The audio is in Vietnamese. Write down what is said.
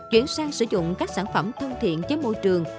chuyển sang sử dụng các sản phẩm thân thiện với môi trường